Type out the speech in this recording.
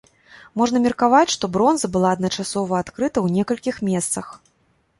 Можна меркаваць, што бронза была адначасова адкрыта ў некалькіх месцах.